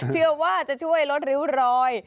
เชื่อว่าจะช่วยลดริ้วรอย